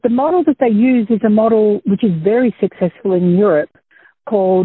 tapi model yang mereka gunakan adalah model yang sangat sukses di eropa